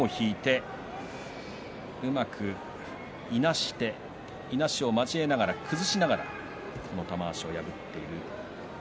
うまくいなしていなしを交えながら崩しながら玉鷲を破っています。